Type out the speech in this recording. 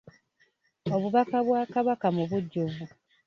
Obubaka bwa Kabaka mu bujjuvu